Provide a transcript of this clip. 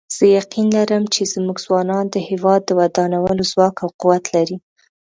زه یقین لرم چې زموږ ځوانان د هیواد د ودانولو ځواک او قوت لري